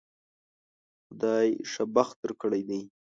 خدای ښه بخت درکړی دی